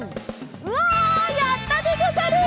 うわやったでござる！